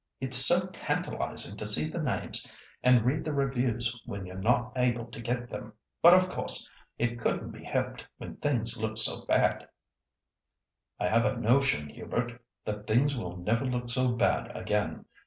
It's so tantalising to see the names and read the reviews when you're not able to get them. But of course it couldn't be helped when things looked so bad." "I have a notion, Hubert, that things will never look so bad again.